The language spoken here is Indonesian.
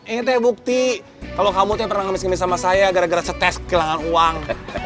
ini tuh bukti kalau kamu tuh pernah ngemis ngemis sama saya gara gara setes kehilangan uang